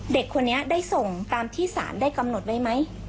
เด็กคนนี้ได้ส่งตามที่สารได้กำหนดไว้ไหม